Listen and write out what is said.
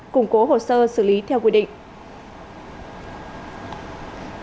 củng cố hồ sơ xử lý theo quy định